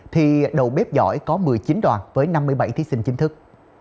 thì đầu bếp giỏi có một mươi chín đoàn với năm mươi bảy thí sinh chính thức